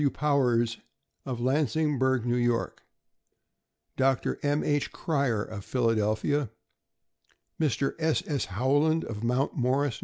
W. Powers, of Lansingburgh, N. Y. ; Dr. M. H. Cryer, of Phil adelphia; Mr. S. S. Howland, of Mount Morris, N.